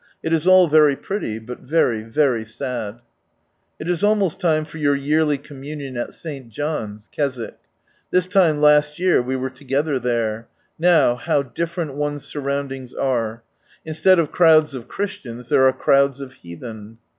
It is all very pretty, but very, very sad. It is almost time for your early Communion at St. John's (Keswick). This time last year we were together there. Now, how different one's surroundings ar& Instead of crowds of Christians, there are crowds of heathen.